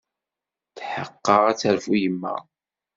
Tḥeqqeɣ ad terfu yemma.